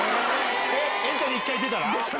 エンタに１回出たら？